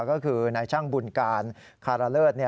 ก็คือนายช่างบุญการคารเลิศ